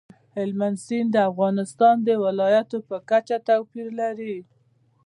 هلمند سیند د افغانستان د ولایاتو په کچه توپیر لري.